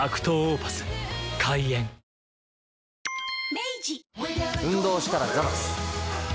明治運動したらザバス。